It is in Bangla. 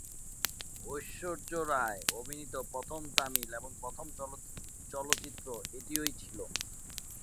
ঐশ্বর্যা রায় অভিনীত প্রথম তামিল এবং প্রথম চলচ্চিত্র এটিই ছিলো।